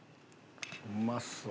うまそう。